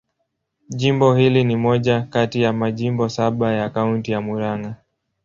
Jimbo hili ni moja kati ya majimbo saba ya Kaunti ya Murang'a.